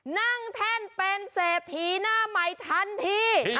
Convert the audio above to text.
นั่งแท่นเป็นเศรษฐีหน้าไม้ทันที